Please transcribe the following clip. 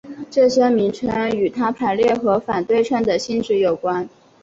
这些名称与它排列和反对称的性质有关。